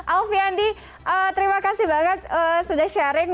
alfie andi terima kasih banget sudah sharing